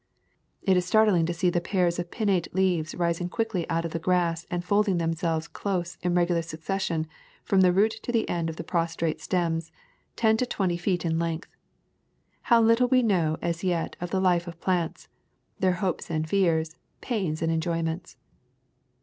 It is startling to see the pairs of pinnate leaves rising quickly out of the grass and fold ing themselves close in regular succession from the root to the end of the prostrate stems, ten to twenty feet in length. How little we know as yet of the life of plants — their hopes and fears, pains and enjoyments!